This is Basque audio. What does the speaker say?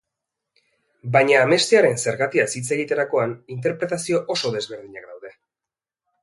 Baina amestearen zergatiaz hitz egiterakoan, interpretazio oso desberdinak daude.